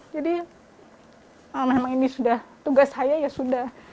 jadi kalau memang ini sudah tugas saya ya sudah